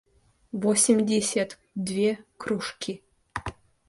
восемьдесят две кружки